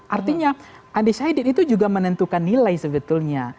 artinya undecided itu juga menentukan nilai sebetulnya